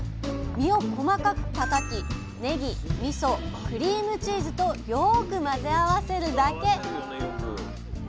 身を細かくたたきねぎみそクリームチーズとよく混ぜ合わせるだけ！